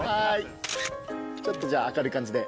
ちょっとじゃあ明るい感じで。